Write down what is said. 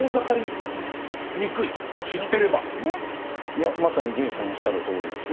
いやまさに伊集院さんのおっしゃるとおりですね。